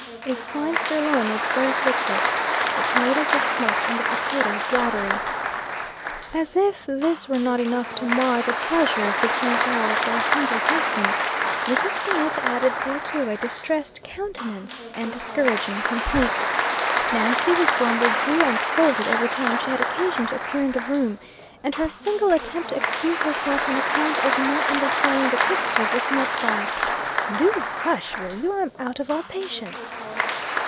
A fine sirloin was burnt to a crisp. The tomatoes were smoked, and the potatoes watery. As if this were not enough to mar the pleasure of the dinner hour for a hungry husband, Mrs. Smith added thereto a distressed countenance and discouraging complaints. Nancy was grumbled at and scolded every time she had occasion to appear in the room, and her single attempt to excuse herself on account of not understanding the cook stove, was met by: "Do hush, will you! I'm out of all patience!"